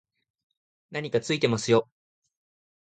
何かついてますよ